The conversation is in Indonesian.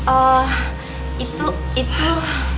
oh itu itu